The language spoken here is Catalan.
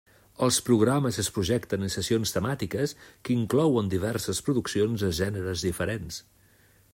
Els programes es projecten en sessions temàtiques, que inclouen diverses produccions de gèneres diferents.